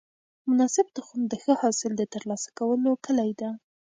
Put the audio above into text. مناسب تخم د ښه حاصل د ترلاسه کولو کلي ده.